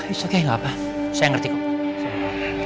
it's okay lah pak saya ngerti pak